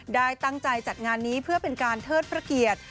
ได้ตั้งใจจัดงานนี้เพื่อเป็นการเทิดพระเกียรติ